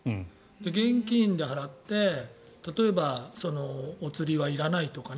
現金で払って例えばお釣りはいらないとかね。